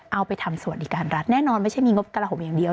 เอาไปทำสวัสดิการรัฐแน่นอนไม่ใช่มีงบกระห่มอย่างเดียว